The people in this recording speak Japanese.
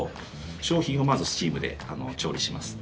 商品をまず、スチームで調理します。